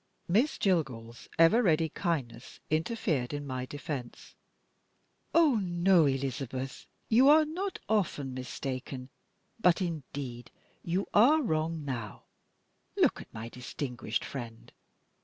Miss Jillgall's ever ready kindness interfered in my defense: "Oh, no, Elizabeth! You are not often mistaken; but indeed you are wrong now. Look at my distinguished friend.